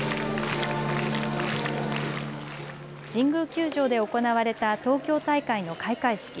神宮球場で行われた東京大会の開会式。